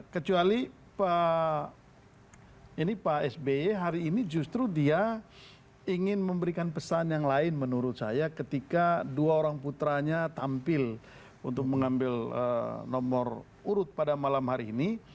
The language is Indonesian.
kecuali pak sby hari ini justru dia ingin memberikan pesan yang lain menurut saya ketika dua orang putranya tampil untuk mengambil nomor urut pada malam hari ini